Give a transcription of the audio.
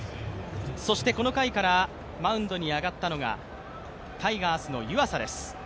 そしてこの回からマウンドに上がったのがタイガースの湯浅です。